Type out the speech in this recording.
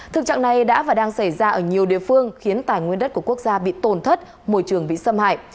thực trạng này đã và đang xảy ra ở nhiều địa phương khiến tài nguyên đất của quốc gia bị tổn thất môi trường bị xâm hại